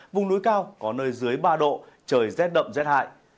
vùng núi cao có nơi dưới ba độ trời rét đậm rét hại